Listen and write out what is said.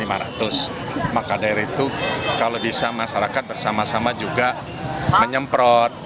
maka dari itu kalau bisa masyarakat bersama sama juga menyemprot